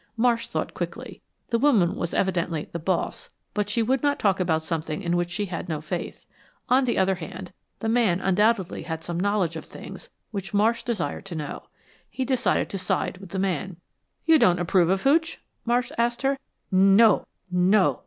Marsh thought quickly. The woman was evidently the "boss," but she would not talk about something in which she had no faith. On the other hand, the man undoubtedly had some knowledge of things which Marsh desired to know. He decided to side with the man. "You don't approve of hootch?" Marsh asked her. "No no!"